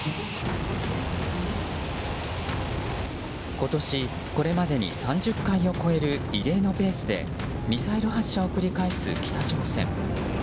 今年これまでに３０回を超える異例のペースでミサイル発射を繰り返す北朝鮮。